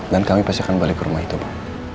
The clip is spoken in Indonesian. dan kami pasti akan balik ke rumah itu pa